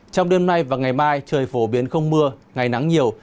trong đêm nay và ngày mai trời phổ biến không mưa ngày nắng nhiều